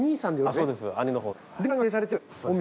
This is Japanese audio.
そうですね。